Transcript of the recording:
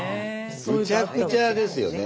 むちゃくちゃですよね。